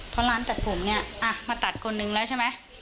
เพราะร้านตัดผมเนี่ยมาตัดคนนึงแล้วใช่ไหม